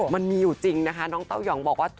มันมีอยู่จริงนะคะน้องเต้ายองบอกว่า